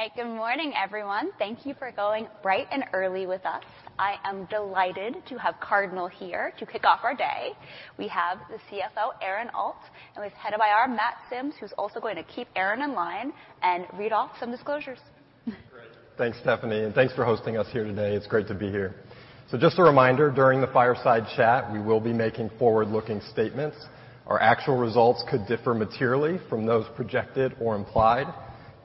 All right, good morning, everyone. Thank you for going bright and early with us. I am delighted to have Cardinal here to kick off our day. We have the CFO, Aaron Alt, and we have head of IR, Matt Sims, who's also going to keep Aaron in line and read off some disclosures. Great. Thanks, Stephanie, and thanks for hosting us here today. It's great to be here. So just a reminder, during the fireside chat, we will be making forward-looking statements. Our actual results could differ materially from those projected or implied.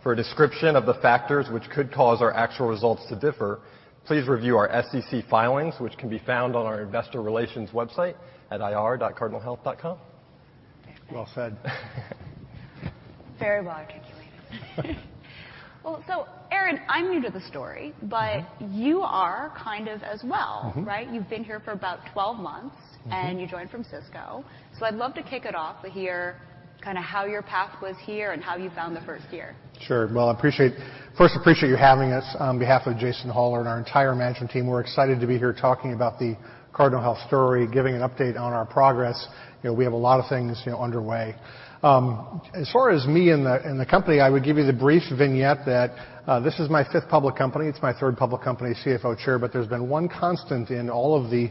For a description of the factors which could cause our actual results to differ, please review our SEC filings, which can be found on our investor relations website at ir dot cardinalhealth dot com. Well said. Very well articulated. Well, so Aaron, I'm new to the story, but you are kind of as well, right? You've been here for about 12 months, and you joined from Sysco. So I'd love to kick it off to hear kind of how your path was here and how you found the first year. Sure. Well, I appreciate first, appreciate you having us. On behalf of Jason Hollar and our entire management team, we're excited to be here talking about the Cardinal Health story, giving an update on our progress. You know, we have a lot of things, you know, underway. As far as me and the company, I would give you the brief vignette that, this is my fifth public company. It's my third public company CFO chair, but there's been one constant in all of the,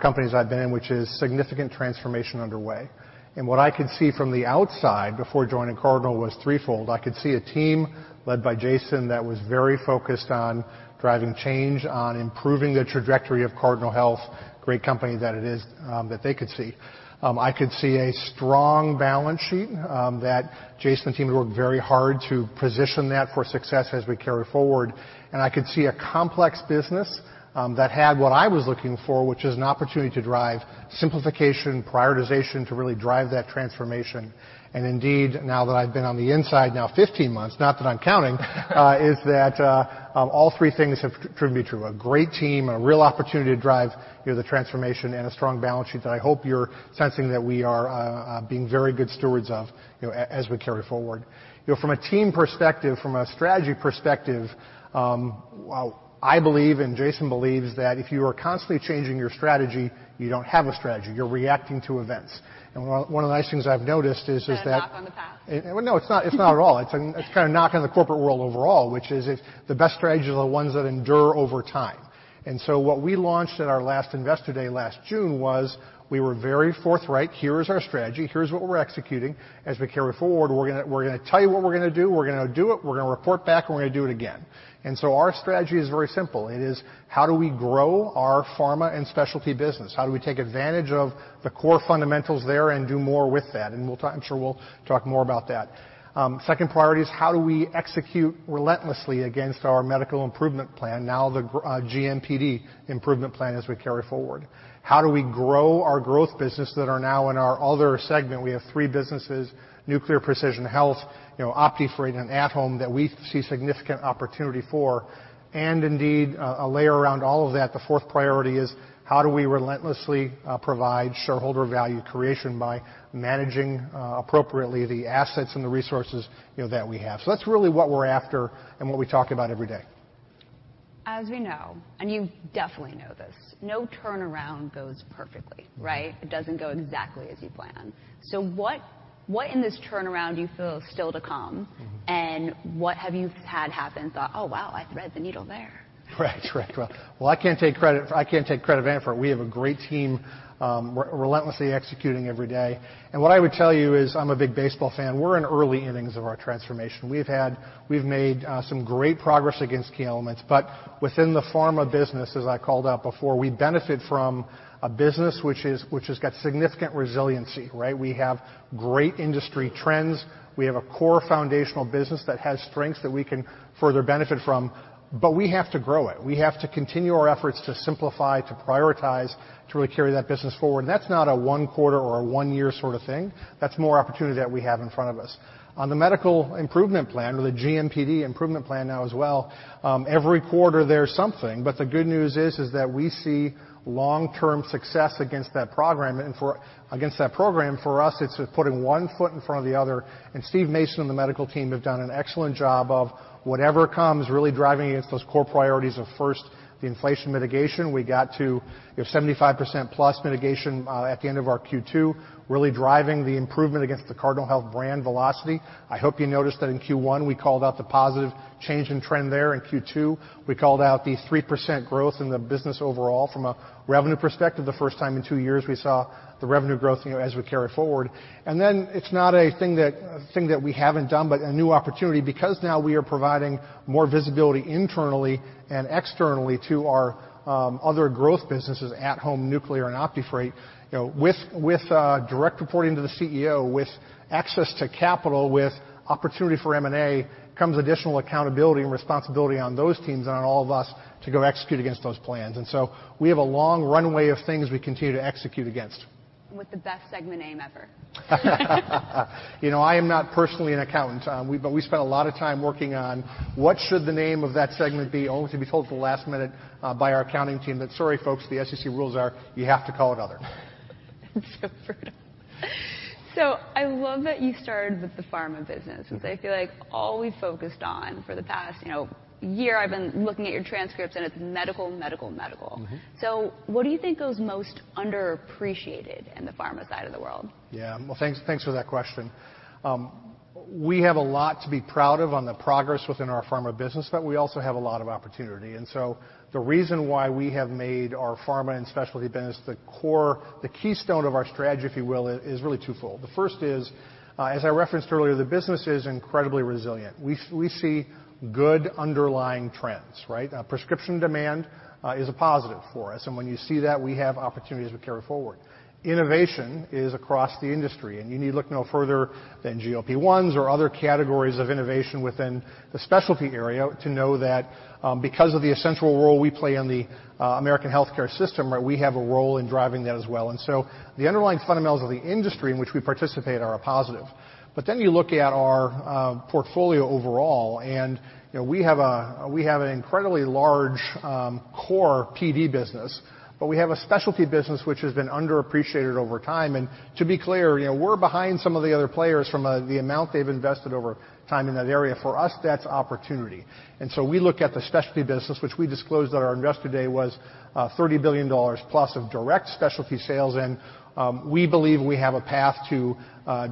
companies I've been in, which is significant transformation underway. And what I could see from the outside before joining Cardinal was threefold. I could see a team led by Jason that was very focused on driving change, on improving the trajectory of Cardinal Health, great company that it is, that they could see. I could see a strong balance sheet, that Jason and team had worked very hard to position that for success as we carry forward. I could see a complex business, that had what I was looking for, which is an opportunity to drive simplification, prioritization, to really drive that transformation. And indeed, now that I've been on the inside now 15 months, not that I'm counting, is that, all three things have proven to be true: a great team, a real opportunity to drive, you know, the transformation, and a strong balance sheet that I hope you're sensing that we are, being very good stewards of, you know, as we carry forward. You know, from a team perspective, from a strategy perspective, well, I believe, and Jason believes, that if you are constantly changing your strategy, you don't have a strategy. You're reacting to events. One of the nice things I've noticed is that. That knock on the path. Well, no, it's not at all. It's kind of a knock on the corporate world overall, which is if the best strategies are the ones that endure over time. And so what we launched at our last investor day last June was we were very forthright: here is our strategy. Here's what we're executing. As we carry forward, we're gonna tell you what we're gonna do. We're gonna do it. We're gonna report back, and we're gonna do it again. And so our strategy is very simple. It is how do we grow our pharma and specialty business? How do we take advantage of the core fundamentals there and do more with that? And we'll talk, I'm sure, more about that. Second priority is how do we execute relentlessly against our medical improvement plan, now the GMPD improvement plan, as we carry forward? How do we grow our growth business that are now in our Other segment? We have three businesses: Nuclear Precision Health, you know, OptiFreight, and At Home that we see significant opportunity for. And indeed, a layer around all of that, the fourth priority is how do we relentlessly provide shareholder value creation by managing appropriately the assets and the resources, you know, that we have? So that's really what we're after and what we talk about every day. As we know, and you definitely know this, no turnaround goes perfectly, right? It doesn't go exactly as you plan. So what, what in this turnaround do you feel is still to come? What have you had happen? Thought, "Oh, wow. I thread the needle there. Correct. Well, I can't take credit for it. I can't take credit to Aaron for it. We have a great team, relentlessly executing every day. And what I would tell you is I'm a big baseball fan. We're in early innings of our transformation. We've made some great progress against key elements. But within the pharma business, as I called out before, we benefit from a business which has got significant resiliency, right? We have great industry trends. We have a core foundational business that has strengths that we can further benefit from. But we have to grow it. We have to continue our efforts to simplify, to prioritize, to really carry that business forward. And that's not a one-quarter or a one-year sort of thing. That's more opportunity that we have in front of us. On the medical improvement plan, or the GMPD improvement plan now as well, every quarter there's something. But the good news is, is that we see long-term success against that program. And for against that program, for us, it's with putting one foot in front of the other. And Steve Mason and the medical team have done an excellent job of whatever comes really driving against those core priorities of first, the inflation mitigation. We got to, you know, 75%-plus mitigation, at the end of our Q2, really driving the improvement against the Cardinal Health Brand velocity. I hope you noticed that in Q1, we called out the positive change in trend there. In Q2, we called out the 3% growth in the business overall. From a revenue perspective, the first time in two years, we saw the revenue growth, you know, as we carry forward. Then it's not a thing that we haven't done, but a new opportunity because now we are providing more visibility internally and externally to our other growth businesses: At Home, Nuclear, and OptiFreight. You know, with direct reporting to the CEO, with access to capital, with opportunity for M&A, comes additional accountability and responsibility on those teams and on all of us to go execute against those plans. So we have a long runway of things we continue to execute against. With the best segment name ever. You know, I am not personally an accountant. But we spent a lot of time working on what should the name of that segment be, only to be told at the last minute, by our accounting team that, "Sorry, folks. The SEC rules are you have to call it Other. It's so brutal. I love that you started with the pharma business, 'cause I feel like all we've focused on for the past, you know, year, I've been looking at your transcripts, and it's medical, medical, medical. What do you think goes most underappreciated in the pharma side of the world? Yeah. Well, thanks, thanks for that question. We have a lot to be proud of on the progress within our pharma business, but we also have a lot of opportunity. And so the reason why we have made our pharma and specialty business the core, the keystone of our strategy, if you will, is really twofold. The first is, as I referenced earlier, the business is incredibly resilient. We see good underlying trends, right? Prescription demand is a positive for us. And when you see that, we have opportunities to carry forward. Innovation is across the industry. And you need to look no further than GLP-1s or other categories of innovation within the specialty area to know that, because of the essential role we play in the American healthcare system, right, we have a role in driving that as well. And so the underlying fundamentals of the industry in which we participate are a positive. But then you look at our portfolio overall, and you know, we have an incredibly large core PD business. But we have a specialty business which has been underappreciated over time. And to be clear, you know, we're behind some of the other players from the amount they've invested over time in that area. For us, that's opportunity. And so we look at the specialty business, which we disclosed at our investor day was $30 billion+ of direct specialty sales. And we believe we have a path to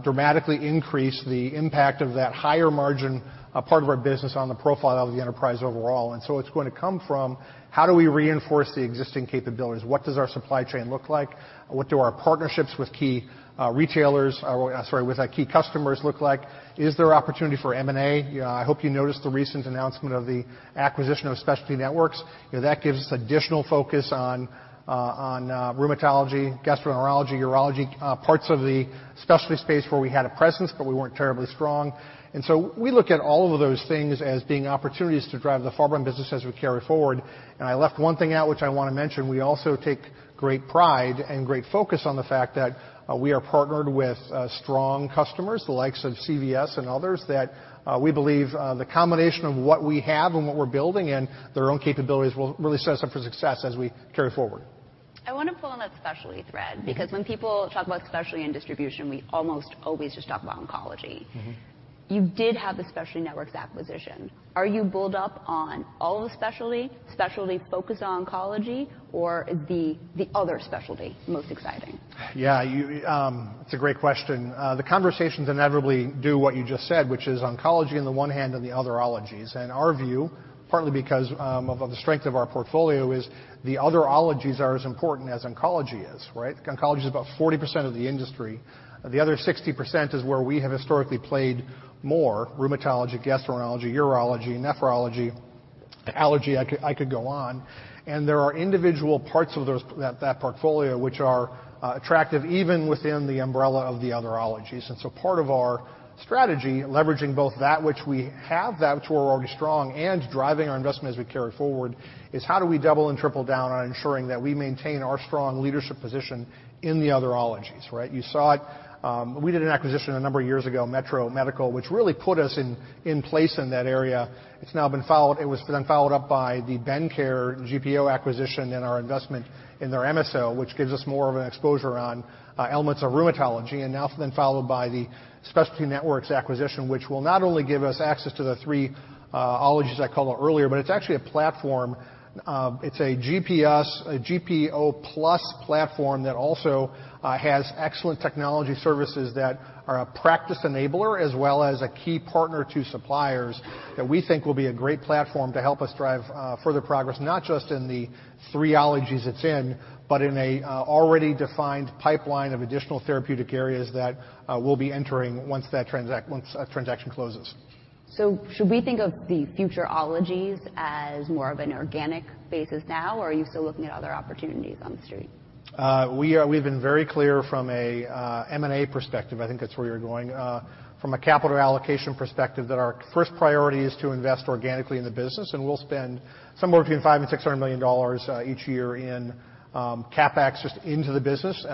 dramatically increase the impact of that higher margin part of our business on the profile of the enterprise overall. And so it's going to come from how do we reinforce the existing capabilities? What does our supply chain look like? What do our partnerships with key customers look like? Is there opportunity for M&A? You know, I hope you noticed the recent announcement of the acquisition of Specialty Networks. You know, that gives us additional focus on rheumatology, gastroenterology, urology, parts of the specialty space where we had a presence, but we weren't terribly strong. And so we look at all of those things as being opportunities to drive the pharma business as we carry forward. And I left one thing out which I wanna mention. We also take great pride and great focus on the fact that we are partnered with strong customers, the likes of CVS and Others, that we believe the combination of what we have and what we're building and their own capabilities will really set us up for success as we carry forward. I wanna pull on that specialty thread because when people talk about specialty and distribution, we almost always just talk about oncology. You did have the Specialty Networks acquisition. Are you bulked up on all of the specialty, specialty focused on oncology, or is the, the other specialty most exciting? Yeah. You, it's a great question. The conversations inevitably do what you just said, which is oncology on the one hand and the other ologies. And our view, partly because of the strength of our portfolio, is the other ologies are as important as oncology is, right? Oncology is about 40% of the industry. The other 60% is where we have historically played more: rheumatology, gastroenterology, urology, nephrology, allergy. I could go on. And there are individual parts of those that portfolio which are attractive even within the umbrella of the other ologies. And so part of our strategy, leveraging both that which we have, that which we're already strong, and driving our investment as we carry forward, is how do we double and triple down on ensuring that we maintain our strong leadership position in the other ologies, right? You saw it. We did an acquisition a number of years ago, Metro Medical, which really put us in place in that area. It's now been followed up by the Bendcare GPO acquisition and our investment in their MSO, which gives us more of an exposure on elements of rheumatology. And now followed by the Specialty Networks acquisition, which will not only give us access to the three ologies I called out earlier, but it's actually a platform. It's a GPO, a GPO-plus platform that also has excellent technology services that are a practice enabler as well as a key partner to suppliers that we think will be a great platform to help us drive further progress, not just in the three ologies it's in, but in an already defined pipeline of additional therapeutic areas that will be entering once that transaction closes. Should we think of the future acquisitions as more of an organic basis now, or are you still looking at other opportunities on the street? We are. We've been very clear from an M&A perspective. I think that's where you're going. From a capital allocation perspective, that our first priority is to invest organically in the business. We'll spend somewhere between $500 million and $600 million each year in CapEx just into the business,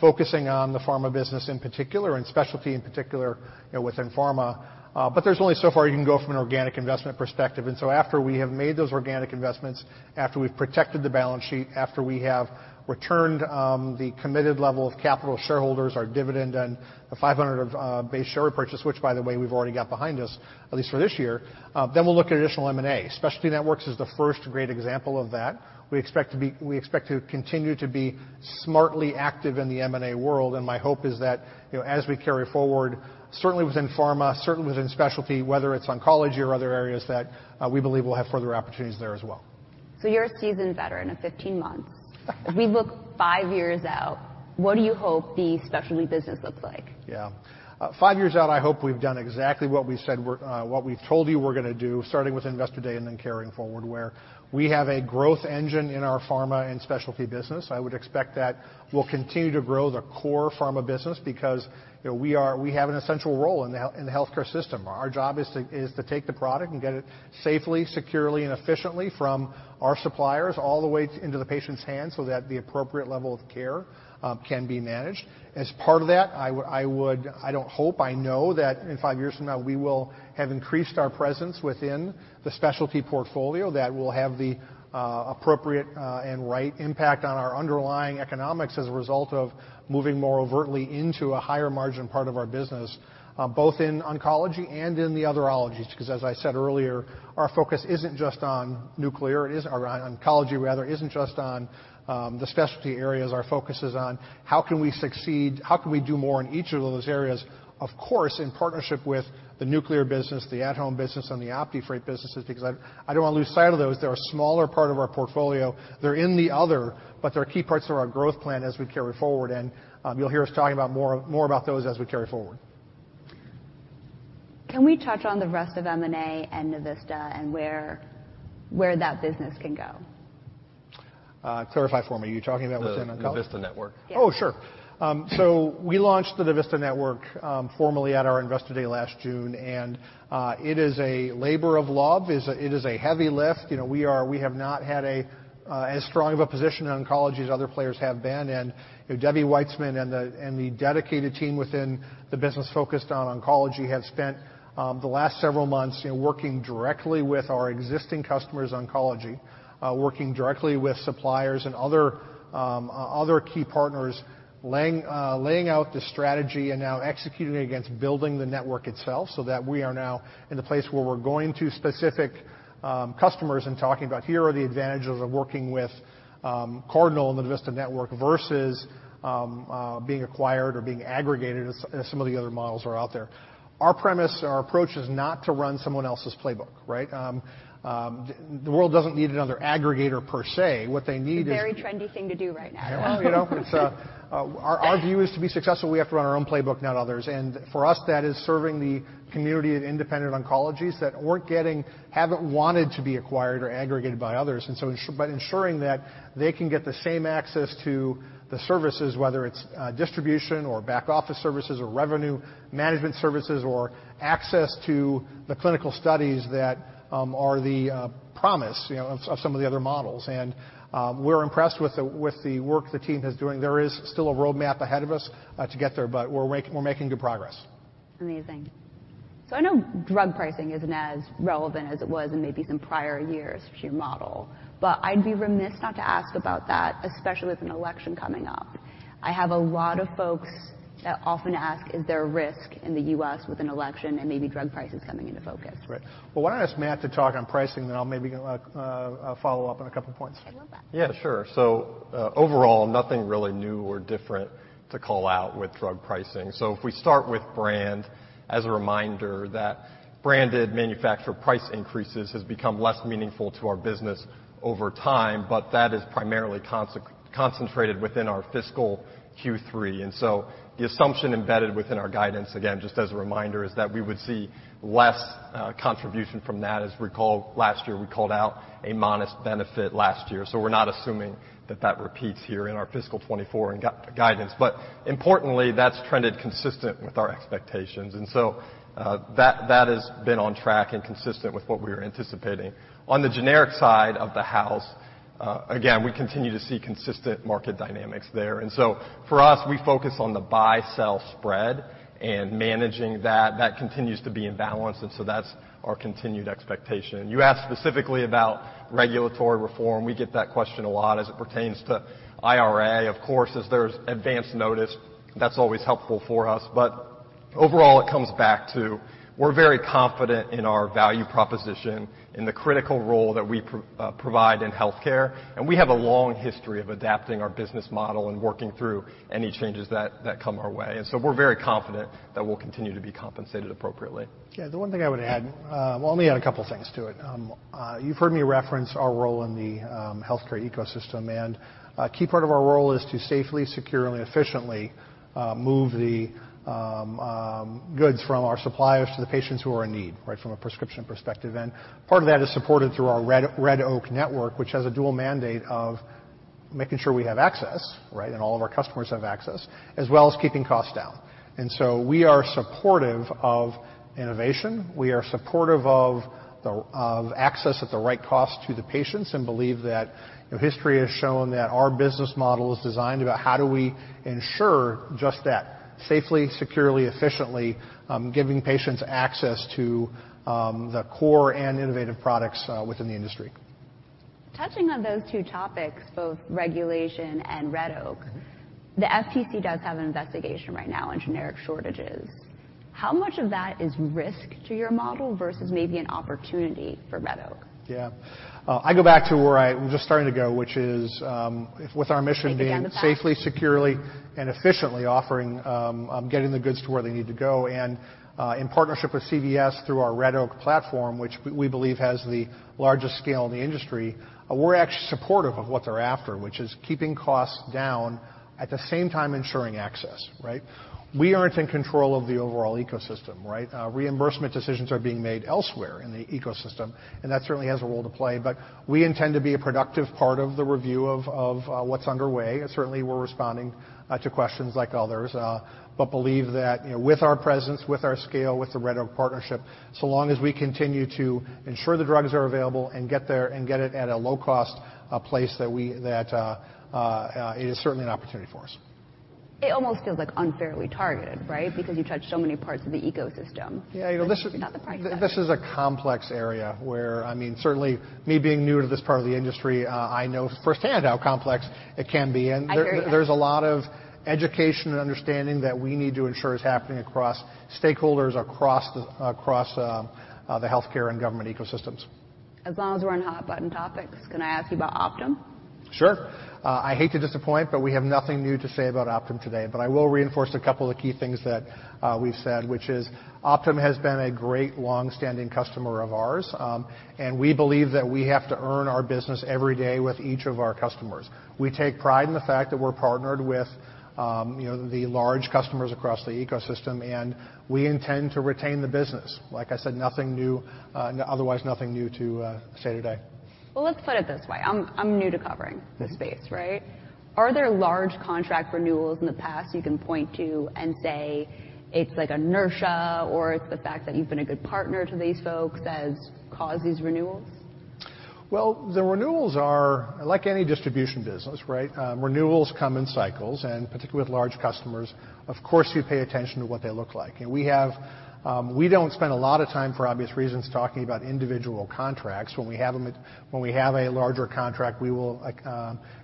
focusing on the pharma business in particular and specialty in particular, you know, within pharma. But there's only so far you can go from an organic investment perspective. So after we have made those organic investments, after we've protected the balance sheet, after we have returned the committed level of capital to shareholders, our dividend, and the $500 million base share repurchase, which, by the way, we've already got behind us, at least for this year, then we'll look at additional M&A. Specialty Networks is the first great example of that. We expect to continue to be smartly active in the M&A world. And my hope is that, you know, as we carry forward, certainly within pharma, certainly within specialty, whether it's oncology or other areas, that, we believe we'll have further opportunities there as well. So you're a seasoned veteran of 15 months. If we look five years out, what do you hope the specialty business looks like? Yeah. Five years out, I hope we've done exactly what we said we're what we've told you we're gonna do, starting with investor day and then carrying forward, where we have a growth engine in our pharma and specialty business. I would expect that we'll continue to grow the core pharma business because, you know, we are we have an essential role in the healthcare system. Our job is to is to take the product and get it safely, securely, and efficiently from our suppliers all the way into the patient's hands so that the appropriate level of care can be managed. As part of that, I would I would I don't hope. I know that in five years from now, we will have increased our presence within the specialty portfolio that will have the appropriate and right impact on our underlying economics as a result of moving more overtly into a higher margin part of our business, both in oncology and in the other ologies. 'Cause as I said earlier, our focus isn't just on nuclear. It isn't, or on oncology rather, isn't just on the specialty areas. Our focus is on how can we succeed? How can we do more in each of those areas, of course, in partnership with the nuclear business, the At-Home business, and the OptiFreight businesses? Because I don't wanna lose sight of those. They're a smaller part of our portfolio. They're in the Other, but they're key parts of our growth plan as we carry forward. You'll hear us talking about more more about those as we carry forward. Can we touch on the rest of M&A and Navista and where that business can go? Clarify for me. Are you talking about within oncology? Navista Network. Yeah. Oh, sure. So we launched the Navista Network formally at our investor day last June. It is a labor of love. It's a heavy lift. You know, we have not had as strong of a position in oncology as other players have been. You know, Debbie Weitzman and the dedicated team within the business focused on oncology have spent the last several months, you know, working directly with our existing customers in oncology, working directly with suppliers and other key partners, laying out the strategy and now executing against building the network itself so that we are now in the place where we're going to specific customers and talking about, "Here are the advantages of working with Cardinal and the Navista Network versus being acquired or being aggregated as some of the other models are out there." Our premise, our approach is not to run someone else's playbook, right? The world doesn't need another aggregator per se. What they need is. It's a very trendy thing to do right now. Oh, you know. It's our view is to be successful. We have to run our own playbook, not others. And for us, that is serving the community of independent oncologies that haven't wanted to be acquired or aggregated by others. And so ensuring that they can get the same access to the services, whether it's distribution or back-office services or revenue management services or access to the clinical studies that are the promise, you know, of some of the other models. And we're impressed with the work the team is doing. There is still a roadmap ahead of us to get there, but we're making good progress. Amazing. So I know drug pricing isn't as relevant as it was in maybe some prior years to your model, but I'd be remiss not to ask about that, especially with an election coming up. I have a lot of folks that often ask, "Is there a risk in the U.S. with an election and maybe drug prices coming into focus? Right. Well, why don't I ask Matt to talk on pricing, then I'll maybe go follow up on a couple points. I'd love that. Yeah. Sure. So, overall, nothing really new or different to call out with drug pricing. So if we start with brand, as a reminder, that branded manufacturer price increases has become less meaningful to our business over time, but that is primarily concentrated within our fiscal Q3. And so the assumption embedded within our guidance, again, just as a reminder, is that we would see less contribution from that. As we recall, last year, we called out a modest benefit last year. So we're not assuming that that repeats here in our fiscal 2024 and guidance. But importantly, that's trended consistent with our expectations. And so, that has been on track and consistent with what we were anticipating. On the generic side of the house, again, we continue to see consistent market dynamics there. And so for us, we focus on the buy-sell spread, and managing that. That continues to be in balance, and so that's our continued expectation. You asked specifically about regulatory reform. We get that question a lot as it pertains to IRA. Of course, as there's advanced notice, that's always helpful for us. But overall, it comes back to we're very confident in our value proposition, in the critical role that we provide in healthcare. And we have a long history of adapting our business model and working through any changes that come our way. And so we're very confident that we'll continue to be compensated appropriately. Yeah. The one thing I would add, well, I'll only add a couple things to it. You've heard me reference our role in the healthcare ecosystem. And a key part of our role is to safely, securely, and efficiently move the goods from our suppliers to the patients who are in need, right, from a prescription perspective. And part of that is supported through our Red Oak Sourcing, which has a dual mandate of making sure we have access, right, and all of our customers have access, as well as keeping costs down. And so we are supportive of innovation. We are supportive of the right of access at the right cost to the patients and believe that, you know, history has shown that our business model is designed about how do we ensure just that: safely, securely, efficiently, giving patients access to the core and innovative products within the industry. Touching on those two topics, both regulation and Red Oak. The FTC does have an investigation right now on generic shortages. How much of that is risk to your model versus maybe an opportunity for Red Oak? Yeah. I go back to where we're just starting to go, which is, if, with our mission being. Again, the platform. Safely, securely, and efficiently offering, getting the goods to where they need to go. And, in partnership with CVS through our Red Oak platform, which we believe has the largest scale in the industry, we're actually supportive of what they're after, which is keeping costs down at the same time ensuring access, right? We aren't in control of the overall ecosystem, right? Reimbursement decisions are being made elsewhere in the ecosystem, and that certainly has a role to play. But we intend to be a productive part of the review of what's underway. And certainly, we're responding to questions like others, but believe that, you know, with our presence, with our scale, with the Red Oak partnership, so long as we continue to ensure the drugs are available and get there and get it at a low-cost place that we, it is certainly an opportunity for us. It almost feels like unfairly targeted, right, because you touch so many parts of the ecosystem. Yeah. You know, this is. Not the price target. This is a complex area where, I mean, certainly, me being new to this part of the industry, I know firsthand how complex it can be. And there. I hear you. There's a lot of education and understanding that we need to ensure is happening across stakeholders across the healthcare and government ecosystems. As long as we're on hot-button topics, can I ask you about Optum? Sure. I hate to disappoint, but we have nothing new to say about Optum today. But I will reinforce a couple of key things that we've said, which is Optum has been a great longstanding customer of ours, and we believe that we have to earn our business every day with each of our customers. We take pride in the fact that we're partnered with you know the large customers across the ecosystem, and we intend to retain the business. Like I said, nothing new and otherwise nothing new to say today. Well, let's put it this way. I'm new to covering. The space, right? Are there large contract renewals in the past you can point to and say it's, like, inertia or it's the fact that you've been a good partner to these folks has caused these renewals? Well, the renewals are, like any distribution business, right, renewals come in cycles. Particularly with large customers, of course, you pay attention to what they look like. You know, we don't spend a lot of time, for obvious reasons, talking about individual contracts. When we have a larger contract, we will, like,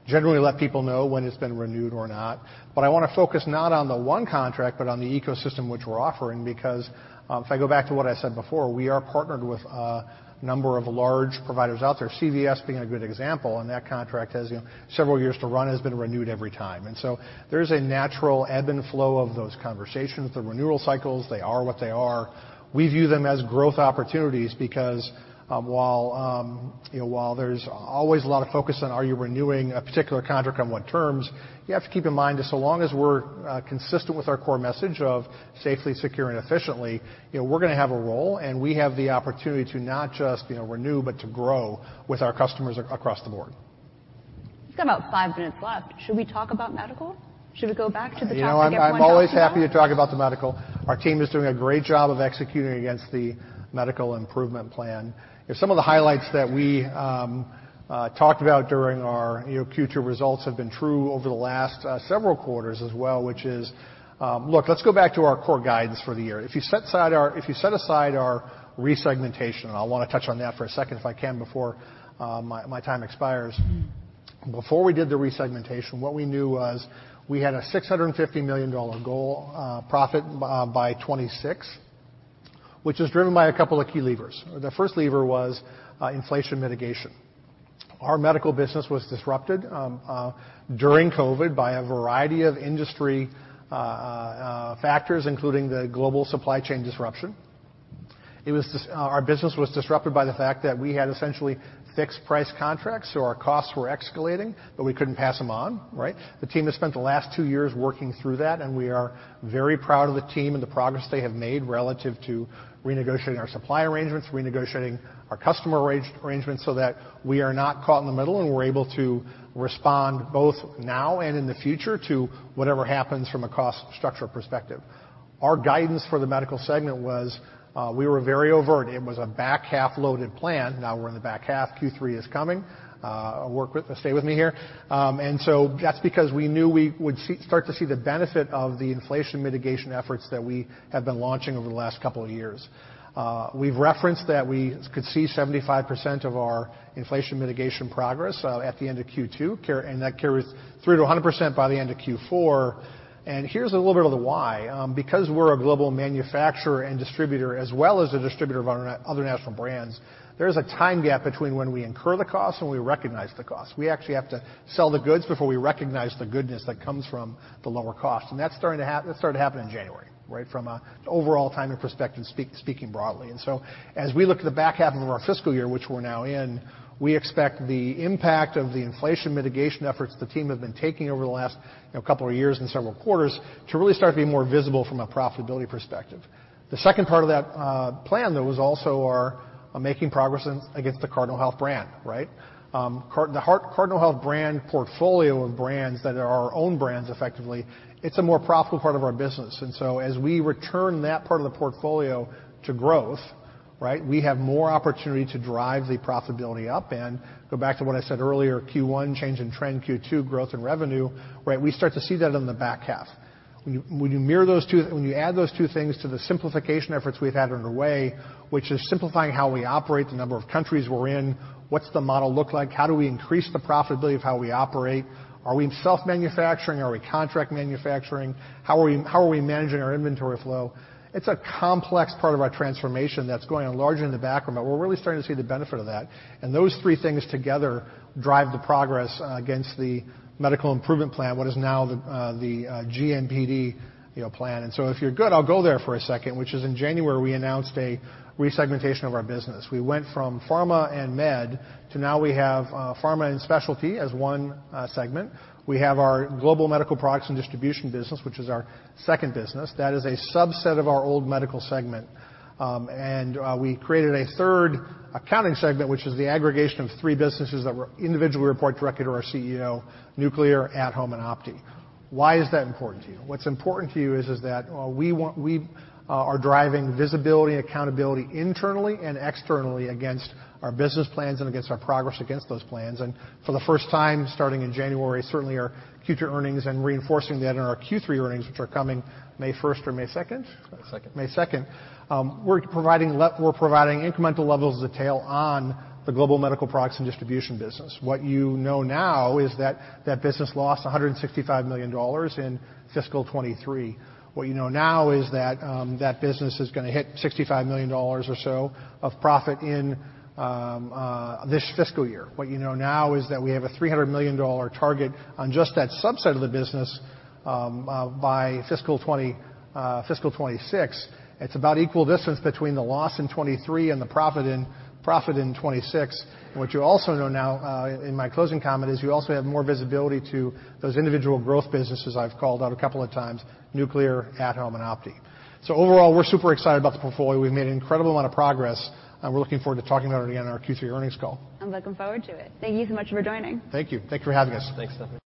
generally let people know when it's been renewed or not. But I wanna focus not on the one contract but on the ecosystem which we're offering because, if I go back to what I said before, we are partnered with a number of large providers out there, CVS being a good example. And that contract has, you know, several years to run, has been renewed every time. And so there's a natural ebb and flow of those conversations, the renewal cycles. They are what they are. We view them as growth opportunities because, you know, while there's always a lot of focus on are you renewing a particular contract on what terms, you have to keep in mind that so long as we're consistent with our core message of safely, securely, and efficiently, you know, we're gonna have a role. And we have the opportunity to not just, you know, renew but to grow with our customers across the board. We've got about five minutes left. Should we talk about medical? Should we go back to the topic at one point? You know, I'm always happy to talk about the medical. Our team is doing a great job of executing against the medical improvement plan. You know, some of the highlights that we talked about during our, you know, Q2 results have been true over the last several quarters as well, which is, look, let's go back to our core guidance for the year. If you set aside our resegmentation - and I'll wanna touch on that for a second if I can before my time expires. Before we did the resegmentation, what we knew was we had a $650 million goal, profit, by 2026, which was driven by a couple of key levers. The first lever was inflation mitigation. Our medical business was disrupted during COVID by a variety of industry factors, including the global supply chain disruption. It was, our business was disrupted by the fact that we had essentially fixed-price contracts, so our costs were escalating, but we couldn't pass them on, right? The team has spent the last two years working through that, and we are very proud of the team and the progress they have made relative to renegotiating our supply arrangements, renegotiating our customer arrangements so that we are not caught in the middle and we're able to respond both now and in the future to whatever happens from a cost structure perspective. Our guidance for the medical segment was, we were very overt. It was a back-half-loaded plan. Now we're in the back half. Q3 is coming. Work with me. Stay with me here. And so that's because we knew we would start to see the benefit of the inflation mitigation efforts that we have been launching over the last couple of years. We've referenced that we could see 75% of our inflation mitigation progress at the end of Q2, and that carries through to 100% by the end of Q4. And here's a little bit of the why. Because we're a global manufacturer and distributor as well as a distributor of our own and other national brands, there's a time gap between when we incur the costs and when we recognize the costs. We actually have to sell the goods before we recognize the goodness that comes from the lower cost. And that's starting to—that started happening in January, right, from an overall timing perspective, speaking broadly. So as we look at the back half of our fiscal year, which we're now in, we expect the impact of the inflation mitigation efforts the team has been taking over the last, you know, couple of years and several quarters to really start to be more visible from a profitability perspective. The second part of that plan, though, is also our making progress against the Cardinal Health Brand, right? Cardinal Health Brand portfolio of brands that are our own brands, effectively, it's a more profitable part of our business. So as we return that part of the portfolio to growth, right, we have more opportunity to drive the profitability up. Go back to what I said earlier, Q1, change in trend, Q2, growth and revenue, right, we start to see that in the back half. When you mirror those two things, when you add those two things to the simplification efforts we've had underway, which is simplifying how we operate, the number of countries we're in, what's the model look like, how do we increase the profitability of how we operate, are we in self-manufacturing, are we contract manufacturing, how are we managing our inventory flow, it's a complex part of our transformation that's going on largely in the background, but we're really starting to see the benefit of that. And those three things together drive the progress against the medical improvement plan, what is now the GMPD, you know, plan. And so if you're good, I'll go there for a second, which is in January, we announced a resegmentation of our business. We went from pharma and med to now we have pharma and specialty as one segment. We have our global medical products and distribution business, which is our second business. That is a subset of our old medical segment. We created a third accounting segment, which is the aggregation of three businesses that were individually reported directly to our CEO: Nuclear, At-Home, and Opti. Why is that important to you? What's important to you is, is that, well, we want we, are driving visibility and accountability internally and externally against our business plans and against our progress against those plans. For the first time, starting in January, certainly, our Q2 earnings and reinforcing that in our Q3 earnings, which are coming May 1st or May 2nd. May 2nd. May 2nd. We're providing incremental levels of detail on the global medical products and distribution business. What you know now is that that business lost $165 million in fiscal 2023. What you know now is that, that business is gonna hit $65 million or so of profit in this fiscal year. What you know now is that we have a $300 million target on just that subset of the business, by fiscal 2020, fiscal 2026. It's about equal distance between the loss in 2023 and the profit in 2026. And what you also know now, in my closing comment, is you also have more visibility to those individual growth businesses I've called out a couple of times: Nuclear, At-Home, and OptiFreight. So overall, we're super excited about the portfolio. We've made an incredible amount of progress, and we're looking forward to talking about it again in our Q3 earnings call. I'm looking forward to it. Thank you so much for joining. Thank you. Thank you for having us. Thanks, Stephanie.